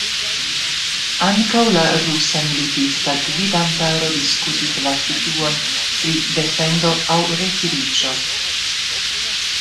Ankaŭ la rusa militista gvidantaro diskutis la situon pri defendo aŭ retiriĝo.